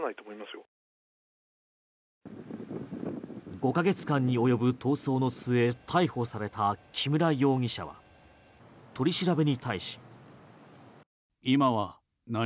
５ヶ月間に及ぶ逃走の末逮捕された木村容疑者は取り調べに対し。